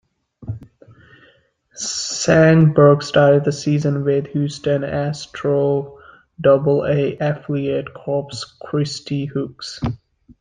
Sandberg started the season with the Houston Astros Double-A affiliate Corpus Christi Hooks.